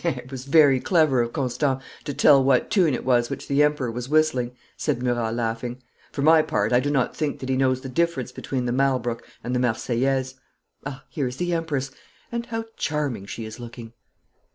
'It was very clever of Constant to tell what tune it was which the Emperor was whistling,' said Murat, laughing. 'For my part I do not think that he knows the difference between the "Malbrook" and the "Marseillaise." Ah, here is the Empress and how charming she is looking!'